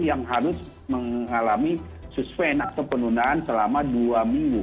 yang harus mengalami susven atau penundaan selama dua minggu